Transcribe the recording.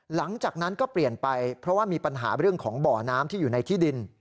หลังจากนั้นก็เปลี่ยนไปเพราะว่ามีปัญหาเรื่องของบ่อน้ำที่อยู่ในที่ดิน